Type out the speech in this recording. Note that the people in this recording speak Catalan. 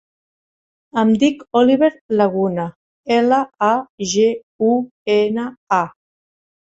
Em dic Oliver Laguna: ela, a, ge, u, ena, a.